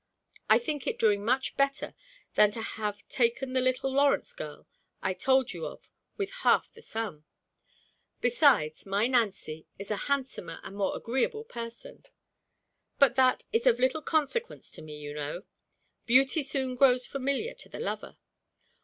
I think it doing much better than to have taken the little Lawrence girl I told you of with half the sum. Besides, my Nancy is a handsomer and more agreeable person; but that is of little consequence to me, you know. "Beauty soon grows familiar to the lover."